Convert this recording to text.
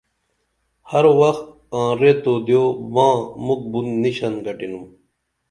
ہر وخ آں ریت دیو ماں مُکھ بُن نِشن گٹِنُم